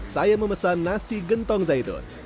saya memesan nasi gentong zaitun